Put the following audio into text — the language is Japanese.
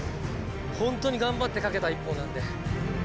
ほんとに頑張ってかけた１本なんで。